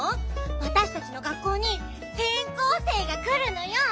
わたしたちの学校にてん校生がくるのよ。